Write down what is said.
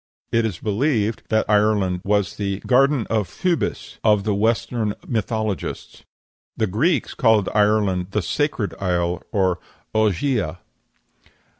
It is believed that Ireland was the "Garden of Phoebus" of the Western mythologists. The Greeks called Ireland the "Sacred Isle" and "Ogygia."